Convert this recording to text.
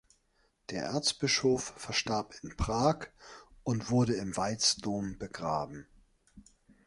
Der Erzbischof verstarb in Prag und wurde im Veitsdom begraben.